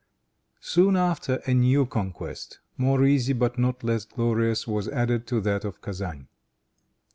Soon after, a new conquest, more easy, but not less glorious, was added to that of Kezan.